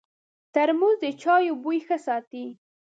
ترموز د چایو بوی ښه ساتي.